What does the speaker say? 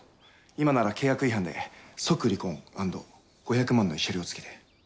今なら契約違反で即離婚アンド５００万の慰謝料付きで。